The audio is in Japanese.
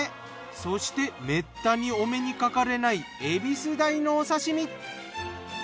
そしてめったにお目にかかれないエビス鯛のお刺身！